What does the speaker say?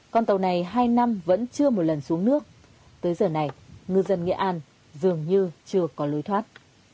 con tàu này hai năm vẫn chưa một lần xuống nước tới giờ này ngư dân nghệ an dường như chưa có lối thoát